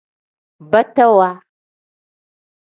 Batawa.